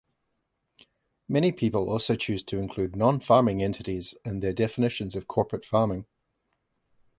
Many people also choose to include non-farming entities in their definitions of corporate farming.